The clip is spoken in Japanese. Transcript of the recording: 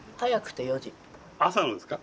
朝のですか？